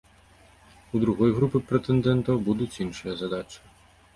У другой групы прэтэндэнтаў будуць іншыя задачы.